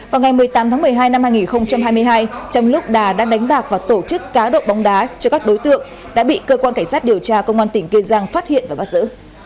vào ngày một mươi tám tháng một mươi hai năm hai nghìn hai mươi hai trong lúc đà đang đánh bạc và tổ chức cá độ bóng đá cho các đối tượng đã bị cơ quan cảnh sát điều tra công an tỉnh kê giang phát hiện và bắt giữ